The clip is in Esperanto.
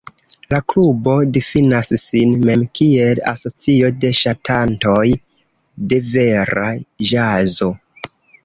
La klubo difinas sin mem kiel "asocio de ŝatantoj de vera ĵazo".